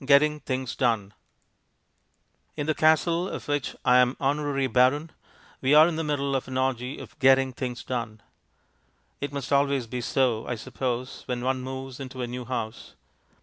Getting Things Done In the castle of which I am honorary baron we are in the middle of an orgy of "getting things done." It must always be so, I suppose, when one moves into a new house.